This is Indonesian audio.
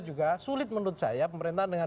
juga sulit menurut saya pemerintah dengan